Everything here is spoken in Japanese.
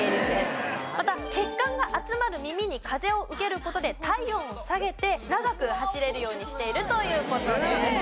また血管が集まる耳に風を受ける事で体温を下げて長く走れるようにしているという事です。